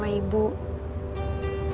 soalnya ibu baik banget